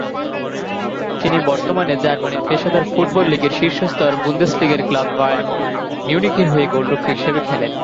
তিনি বর্তমানে জার্মানির পেশাদার ফুটবল লীগের শীর্ষ স্তর বুন্দেসলিগার ক্লাব বায়ার্ন মিউনিখের হয়ে গোলরক্ষক হিসেবে খেলেন।